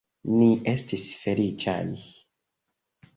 Ni estis feliĉaj.